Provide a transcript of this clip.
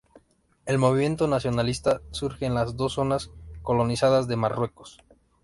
El movimiento nacionalista surge en las dos zonas colonizadas de Marruecos.